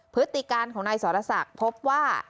พฤติการณ์ของนายสอรสักพบว่า